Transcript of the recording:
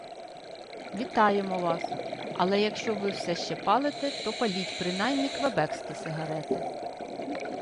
Вітаємо вас! Але якщо ви все ще палите, то паліть, принаймні, квебекські сигарети»